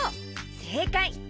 せいかい！